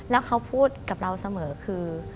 แล้วเขาพูดกับเราเสมอคือ